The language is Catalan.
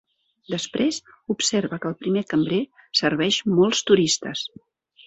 Després observa que el primer cambrer serveix molts turistes.